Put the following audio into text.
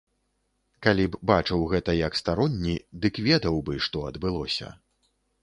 Калі б бачыў гэта які старонні, дык ведаў бы, што адбылося.